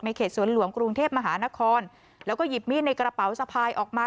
เขตสวนหลวงกรุงเทพมหานครแล้วก็หยิบมีดในกระเป๋าสะพายออกมา